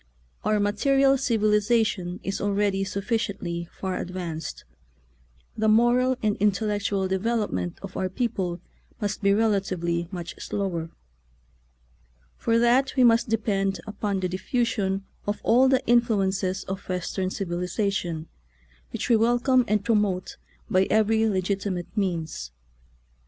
Our ma teria] civilization is already sufficiently far advanced; the moral and intellectual development of our people must be rela tively much slower. For that we must depend upon the diffusion of all of the influences of Western civilization, which we welcome and promote by every legit imate means.